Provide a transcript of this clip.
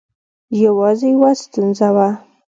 یوازې یوه ستونزه وه.